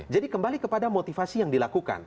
jadi kembali kepada motivasi yang dilakukan